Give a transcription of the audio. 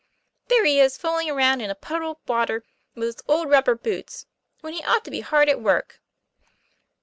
There he is fooling around in a puddle of water with his old rubber boots, when he ought to be hard at work."